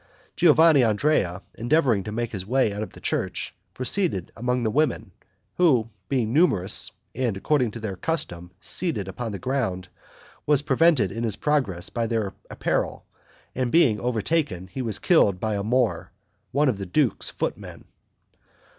Giovanandrea, endeavoring to make his way out of the church, proceeded among the women, who being numerous, and according to their custom, seated upon the ground, was prevented in his progress by their apparel, and being overtaken, he was killed by a Moor, one of the duke's footmen.